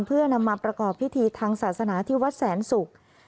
เพื่อนำมาประกอบพิธีทางศาสนาที่วัดแสนศุกร์